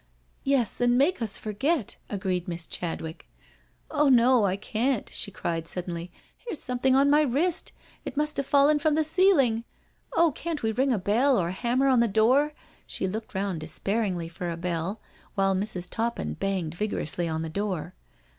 " Yes, and mjake us forget," agreed Miss Chadwick. "Ah no^ I can't I" she cried suddenly, "here's some thing on my wrist. It must have fallen from the ceil ing I Oh, can't we ring a bell or hanuner on the door?" She looked round despairingly for a bell, while Mrs. Toppin banged vigorously on the door.